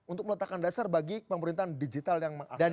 untuk meletakkan dasar bagi pemerintahan digital yang ada